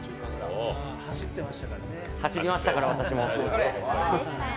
走りましたから、私も。